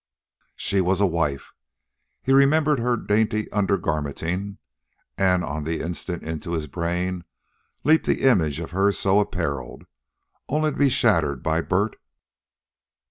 She was a wife. He remembered her dainty undergarmenting, and on the instant, into his brain, leaped the image of her so appareled, only to be shattered by Bert.